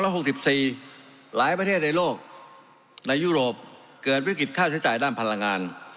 หลายประเทศในโลกในยุโรปเกิดวิกฤตค่าใช้จ่ายด้านพลังงาน